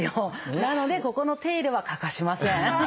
なのでここの手入れは欠かしません。